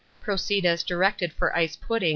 Proceed as directed for Ice Puddings, No.